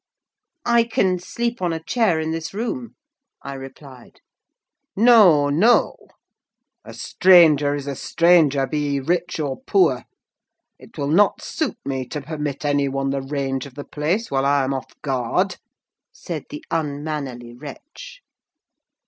"I can sleep on a chair in this room," I replied. "No, no! A stranger is a stranger, be he rich or poor: it will not suit me to permit any one the range of the place while I am off guard!" said the unmannerly wretch.